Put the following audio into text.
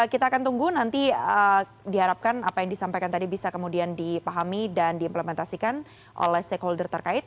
kita akan tunggu nanti diharapkan apa yang disampaikan tadi bisa kemudian dipahami dan diimplementasikan oleh stakeholder terkait